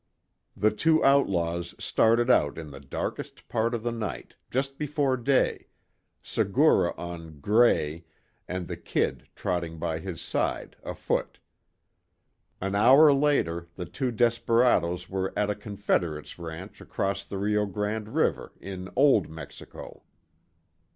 The two outlaws started out in the darkest part of the night, just before day, Segura on "Gray" and the "Kid" trotting by his side, afoot. An hour later the two desperadoes were at a confederate's ranch across the Rio Grande river, in Old Mexico.